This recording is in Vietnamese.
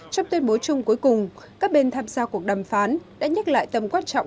trong tuyên bố chung cuối cùng các bên tham gia cuộc đàm phán đã nhắc lại tầm quan trọng